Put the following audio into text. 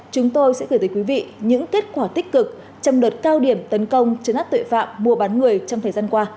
chúng tôi sẽ gửi tới quý vị những kết quả tích cực trong đợt cao điểm tấn công chấn áp tuệ phạm mua bán người trong thời gian qua